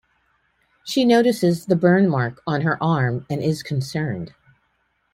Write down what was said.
She notices the burn mark on her arm and is concerned.